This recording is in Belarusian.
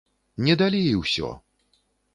Не далі і ўсё!